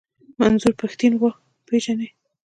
منظور پښتين و پېژنئ.